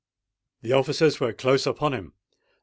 The officers were close upon him.